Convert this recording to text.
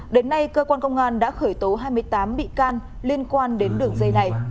đến nay cơ quan công an đã khởi tố hai mươi tám bị can liên quan đến đường dây này